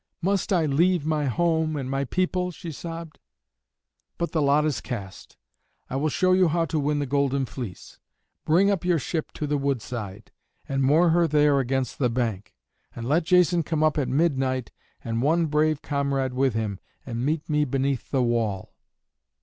"Must I leave my home and my people?" she sobbed. "But the lot is cast: I will show you how to win the Golden Fleece. Bring up your ship to the woodside, and moor her there against the bank. And let Jason come up at midnight and one brave comrade with him, and meet me beneath the wall."